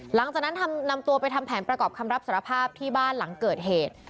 หลังจากนั้นนำตัวไปทำแผนประกอบคำรับสารภาพที่บ้านหลังเกิดเหตุ